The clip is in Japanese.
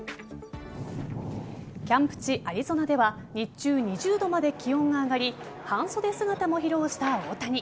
キャンプ地・アリゾナでは日中、２０度まで気温が上がり半袖姿も披露した大谷。